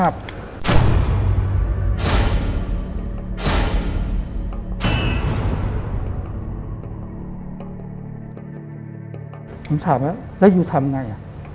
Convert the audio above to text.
ผมถามแล้วแล้วอยู่ทำยังไง